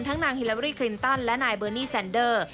นางฮิลาเบอรี่คลินตันและนายเบอร์นี่แซนเดอร์